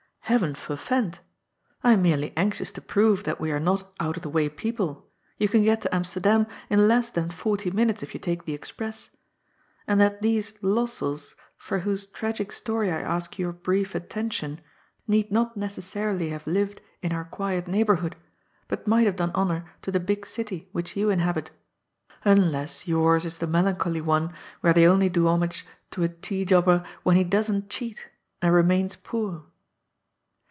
Heaven forfend ! I am merely anxious to prove that we are not out of the way people — ^you can get to Amsterdam in less than forty minutes if you take the express — and that these Lossells for whose tragic story I ask your brief attention need not ne cessarily have lived in our quite neighbourhood, but might snows THAT thb story, etc. 15 have done honour to the big city which yon inhabit, nnless yours is the melancholy one where they only do homage to a tea jobber, when he doesn't cheat, and remains poor.